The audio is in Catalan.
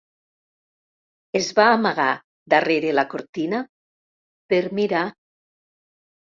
Es va amagar darrere la cortina, per mirar.